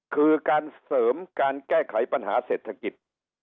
คือการเสริมการแก้ไขปัญหาเศรษฐกิจ